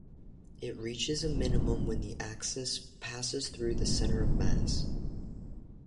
It reaches a minimum when the axis passes through the center of mass.